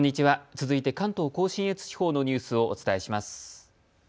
続いて関東甲信越地方のニュースをお伝えします。